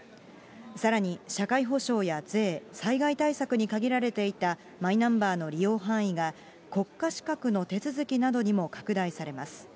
さらに社会保障や税、災害対策に限られていたマイナンバーの利用範囲が、国家資格の手続きなどにも拡大されます。